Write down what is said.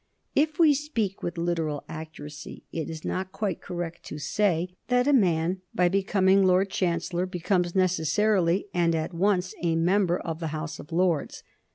If we speak with literal accuracy it is not quite correct to say that a man by becoming Lord Chancellor becomes necessarily, and at once, a member of the House of Lords.